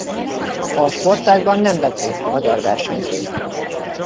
A sportágban nem vett részt magyar versenyző.